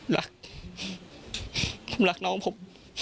รักผมรักน้องผม